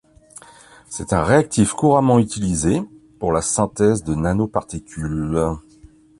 C'est un réactif couramment utilisé pour la synthèse de nanoparticules.